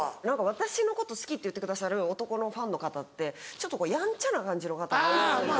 私のこと好きって言ってくださる男のファンの方ってちょっとやんちゃな感じの方が多いんですよ。